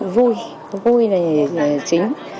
vui vui là chính